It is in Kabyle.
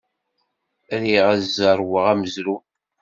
Riɣ ad zerweɣ amezruy.